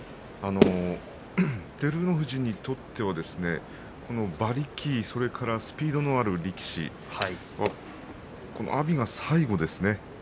照ノ富士にとっては、馬力それからスピードのある力士阿炎が最後ですね。